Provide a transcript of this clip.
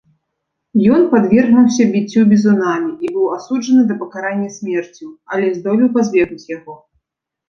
Ён падвергнуўся біццю бізунамі і быў асуджаны да пакарання смерцю, але здолеў пазбегнуць яго.